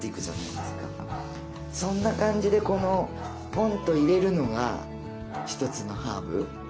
そんな感じでこのポンと入れるのが一つのハーブ。